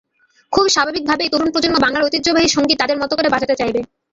খুব স্বাভাবিকভাবেই তরুণ প্রজন্ম বাংলার ঐতিহ্যবাহী সংগীত তাদের মতো করে বাজাতে চাইবে।